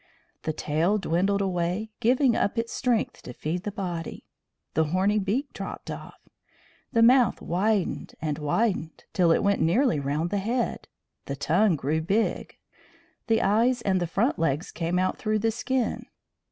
The tail dwindled away, giving up its strength to feed the body; the horny beak dropped off; the mouth widened and widened, till it went nearly round the head; the tongue grew big; the eyes and the front legs came out through the skin.